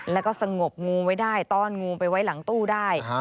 แล้วก็สงบงูไว้ได้ต้อนงูไปไว้หลังตู้ได้